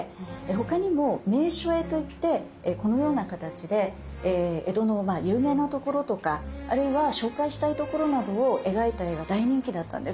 他にも「名所絵」といってこのような形で江戸の有名なところとかあるいは紹介したいところなどを描いた絵が大人気だったんです。